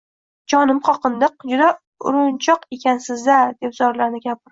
— Jonim qoqindiq, juda urinchoq ekansiz-da! — deb zorlandi kampir.